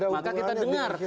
maka kita dengar